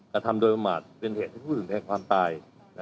กระทำโดยประมาทเป็นเหตุให้ผู้อื่นให้ความตาย